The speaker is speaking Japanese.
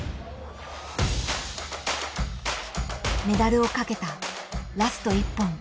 メダルをかけたラスト１本。